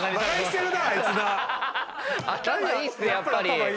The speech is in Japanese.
頭いいっすねやっぱり。